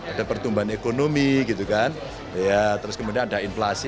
ada pertumbuhan ekonomi gitu kan ya terus kemudian ada inflasi